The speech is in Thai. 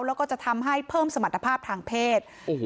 แล้วก็จะทำให้เพิ่มสมรรถภาพทางเพศ